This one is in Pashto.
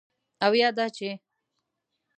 او یا دا چې: